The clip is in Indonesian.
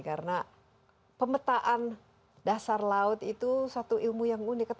karena pemetaan dasar laut itu satu ilmu yang unik